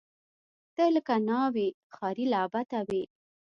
ته لکه ناوۍ، ښاري لعبته وې